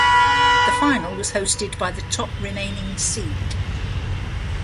The final was hosted by the top remaining seed.